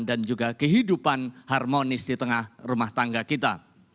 dan juga kehidupan harmonis di tengah rumah tangga kita